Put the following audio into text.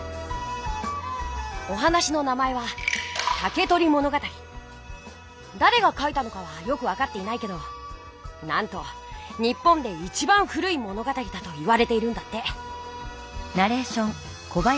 お話の名前はだれが書いたのかはよくわかっていないけどなんと日本でいちばん古い物語だといわれているんだって。